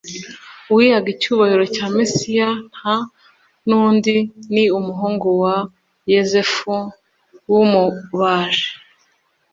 Uwihaga icyubahiro cya Mesiya, nta undi ni umuhungu wa Yosefu w'umubaji,